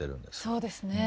そうですね。